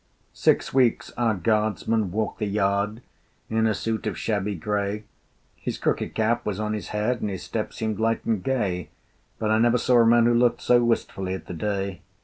Six weeks our guardsman walked the yard, In a suit of shabby grey: His cricket cap was on his head, And his step seemed light and gay, But I never saw a man who looked So wistfully at the day.